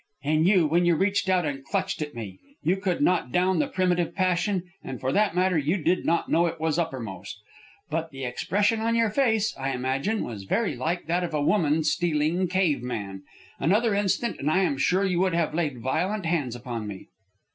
"In you, when you reached out and clutched at me. You could not down the primitive passion, and, for that matter, you did not know it was uppermost. But the expression on your face, I imagine, was very like that of a woman stealing cave man. Another instant, and I am sure you would have laid violent hands upon me."